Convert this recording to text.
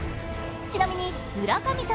ちなみに村神様